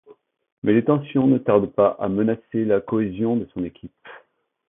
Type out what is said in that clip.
Mais les tensions ne tardent pas à menacer la cohésion de son équipe.